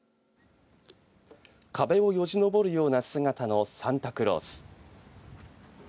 壁をよじ登るような姿のサンタクロース。